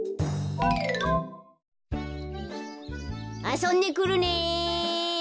・あそんでくるね！